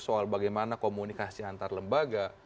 soal bagaimana komunikasi antar lembaga